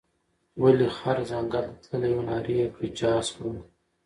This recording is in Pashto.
وايې خر ځنګل ته تللى وو نارې یې کړې چې اس خورم،